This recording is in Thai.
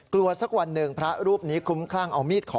สักวันหนึ่งพระรูปนี้คุ้มคลั่งเอามีดขอ